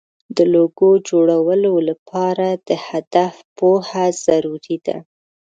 د لوګو جوړولو لپاره د هدف پوهه ضروري ده.